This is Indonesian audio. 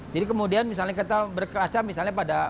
jadi kemudian misalnya kita berkaca misalnya pada